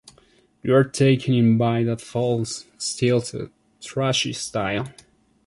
You are taken in by that false, stilted, trashy style.